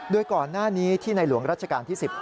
โดยก่อนหน้านี้ที่ในหลวงรัชกาลที่๑๐